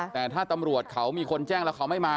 แต่ถ้าตำรวจเขามีคนแจ้งแล้วเขาไม่มา